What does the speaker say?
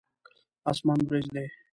اسمان وريځ دی.